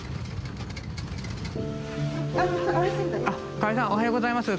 河合さんおはようございます。